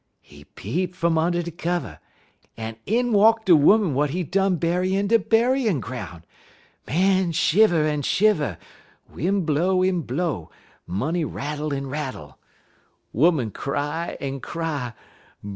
He peep fum und' de kivver, en in walk de 'Oman w'at he done bury in de buryin' groun'. Man shiver en shiver, win' blow en blow, money rattle en rattle, 'Oman cry en cry.